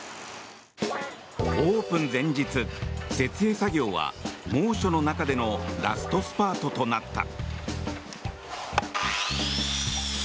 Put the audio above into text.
オープン前日、設営作業は猛暑の中でのラストスパートとなった。